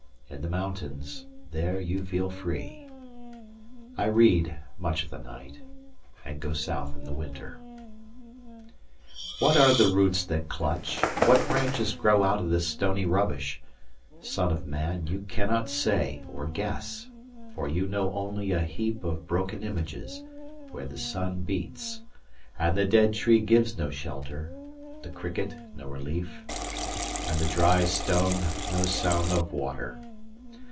In the mountains, there you feel free. I read, much of the night, and go south in the winter. What are the roots that clutch, what branches grow Out of this stony rubbish? Son of man, 20 You cannot say, or guess, for you know only A heap of broken images, where the sun beats, And the dead tree gives no shelter, the cricket no relief, And the dry stone no sound of water.